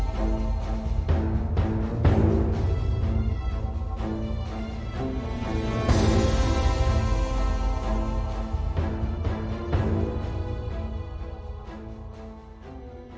โปรดติดตามตอนต่อไป